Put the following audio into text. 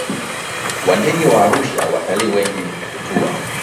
wa ndege wa Arusha Watalii wengi hutua